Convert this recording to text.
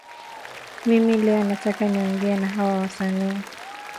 mimi leo nataka niongee na hawa wasanii